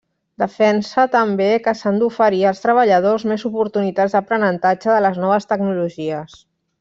Defensa també que s'han d'oferir als treballadors més oportunitats d'aprenentatge de les noves tecnologies.